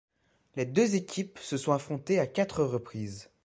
Les deux équipes se sont affrontées à quatre reprises.